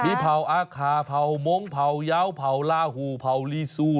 มีเผ่าอาคาเผ่ามงค์เผ่าเยาเผาลาหูเผาลีซู